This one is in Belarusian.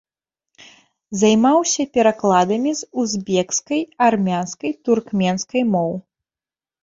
Займаўся перакладамі з узбекскай, армянскай, туркменскай моў.